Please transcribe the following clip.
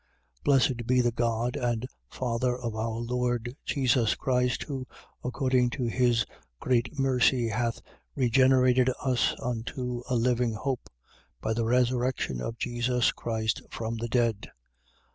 1:3. Blessed be the God and Father of our Lord Jesus Christ, who according to his great mercy hath regenerated us unto a lively hope, by the resurrection of Jesus Christ from the dead: 1:4.